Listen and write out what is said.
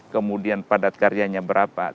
kemudian padat karyanya berapa